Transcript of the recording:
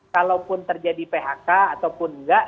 kalaupun terjadi phk ataupun enggak